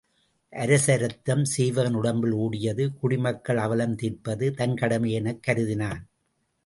அரச இரத்தம் சீவகன் உடம்பில் ஓடியது குடி மக்கள் அவலம் தீர்ப்பது தன் கடமை எனக் கருதினான்.